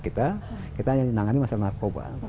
kita hanya menangani masalah narkoba